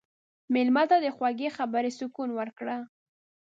مېلمه ته د خوږې خبرې سکون ورکړه.